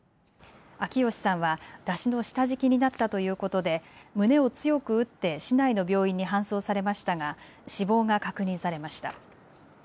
秋吉さんは山車の下敷きになったということで胸を強く打って市内の病院に搬送されましたが死亡が確認されました。